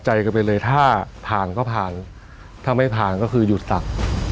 ใจกันไปเลยถ้าผ่านก็ผ่านถ้าไม่ผ่านก็คือหยุดตัก